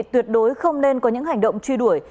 tuyệt đối không nên có những hành động truy đuổi